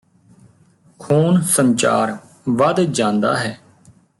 ਖੂਨ ਸੰਚਾਰ ਵਧ ਜਾਂਦਾ ਹੈ